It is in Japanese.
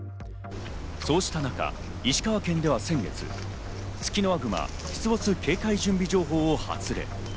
そうした中、石川県では先月、ツキノワグマ出没警戒準備情報を発令。